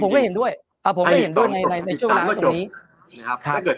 ผมก็เห็นด้วยอ่าผมก็เห็นด้วยในในช่วงหน้าตรงนี้นะครับถ้าเกิด